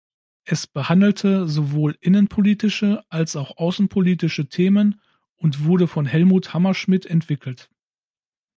Es behandelte sowohl innenpolitische als auch außenpolitische Themen und wurde von Helmut Hammerschmidt entwickelt.